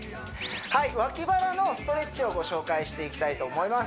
はい脇腹のストレッチをご紹介していきたいと思います